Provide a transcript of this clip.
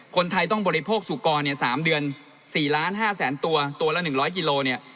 คนไทยต้องบริโภคสุกรเนี่ยสามเดือนสี่ล้านห้าแสนตัวตัวละหนึ่งร้อยกิโลเนี่ย